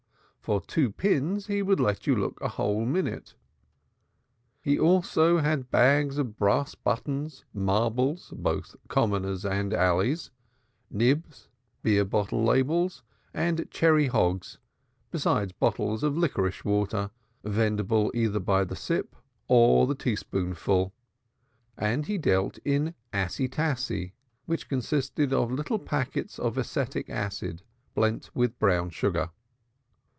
For two pins he would let you look a whole minute. He also had bags of brass buttons, marbles, both commoners and alleys; nibs, beer bottle labels and cherry "hogs," besides bottles of liquorice water, vendible either by the sip or the teaspoonful, and he dealt in "assy tassy," which consisted of little packets of acetic acid blent with brown sugar.